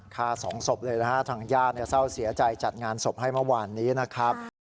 ฆ่าสองศพเลยนะฮะทางญาติเศร้าเสียใจจัดงานศพให้เมื่อวานนี้นะครับ